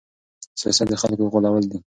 سياست د خلکو غولول دي.